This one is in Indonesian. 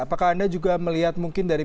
apakah anda juga melihat mungkin dari